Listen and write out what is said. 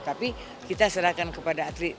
tapi kita serahkan kepada atlet